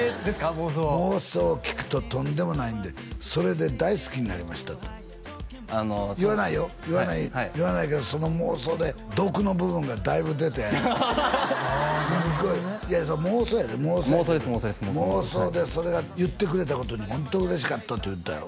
妄想妄想聞くととんでもないんでそれで大好きになりましたとあの言わないよ言わない言わないけどその妄想で毒の部分がだいぶ出てああなるほどね妄想やで妄想妄想でそれが言ってくれたことにホント嬉しかったと言ったよ